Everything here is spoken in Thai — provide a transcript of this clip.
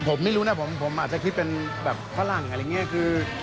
ผมไม่รู้นะผมอาจจะคิดเป็นแบบฝรั่งอะไรอย่างนี้คือ